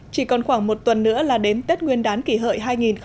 chỉ còn khoảng một tuần nữa là đến tết nguyên đán kỷ hợi hai nghìn một mươi chín